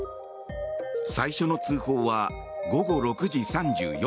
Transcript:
最初の通報は午後６時３４分。